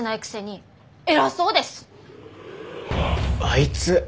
あいつ。